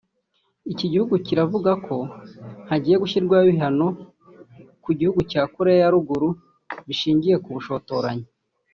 iki gihugu kiravuga ko hagiye gushyirwaho ibihano ku gihugu cya Koreya ya Ruguru bishingiye ku bushotoranyi